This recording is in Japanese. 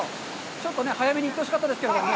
ちょっとね、早めに言ってほしかったですけれどもね。